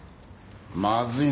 まずいな。